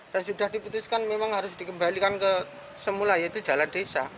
dan sudah diputuskan memang harus dikembalikan ke semula yaitu jalan desa